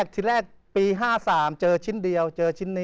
ทีแรกปี๕๓เจอชิ้นเดียวเจอชิ้น๑